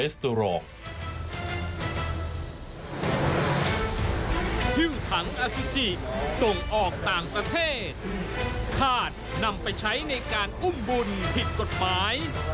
ช่วงเวชตีแสดหน้า